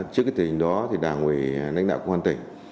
trước cái tình hình đó thì đảng quỳ lãnh đạo của quân tỉnh